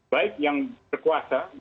baik yang berkuasa